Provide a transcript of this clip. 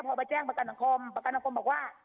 พอไปแจ้งประกันสังคมประกันสังคมบอกว่า